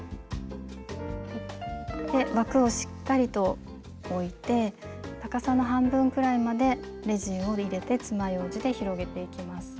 枠をしっかりと置いて高さの半分くらいまでレジンを入れてつまようじで広げていきます。